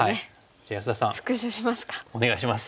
じゃあ安田さんお願いします。